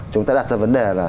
chúng ta đặt ra vấn đề là